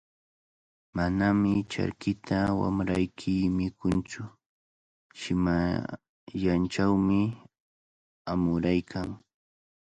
Manami charkita wamrayki mikuntsu, shimillanchawmi amuraykan.